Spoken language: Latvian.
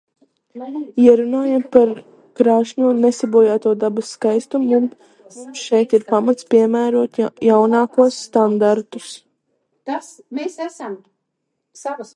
Ja runājam par krāšņo nesabojāto dabas skaistumu, mums šeit ir pamats piemērot jaunākos standartus.